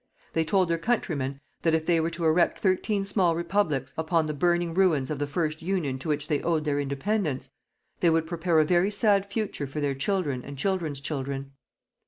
They told their countrymen that if they were to erect thirteen small Republics upon the burning ruins of the first Union to which they owed their Independence, they would prepare a very sad future for their children and children's children.